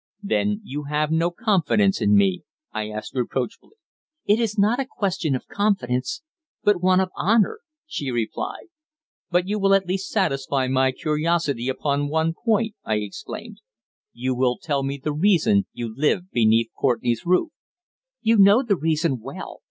"Then you have no confidence in me?" I asked reproachfully. "It is not a question of confidence, but one of honour," she replied. "But you will at least satisfy my curiosity upon one point?" I exclaimed. "You will tell me the reason you lived beneath Courtenay's roof?" "You know the reason well.